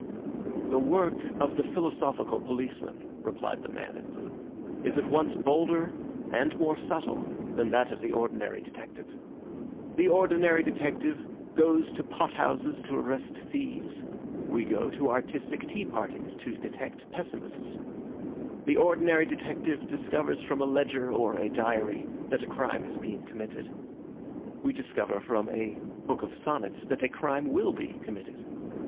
"The work of the philosophical policeman," replied the man in blue, "is at once bolder and more subtle than that of the ordinary detective. The ordinary detective goes to pot houses to arrest thieves; we go to artistic tea parties to detect pessimists. The ordinary detective discovers from a ledger or a diary that a crime has been committed. We discover from a book of sonnets that a crime will be committed.